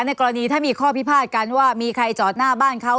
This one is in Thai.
กรณีถ้ามีข้อพิพาทกันว่ามีใครจอดหน้าบ้านเขา